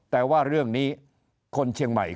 แต่ว่าเรื่องนี้คนเชียงใหม่